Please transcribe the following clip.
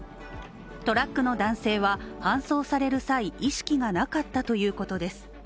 トラックの男性は、搬送される際意識がなかったということです。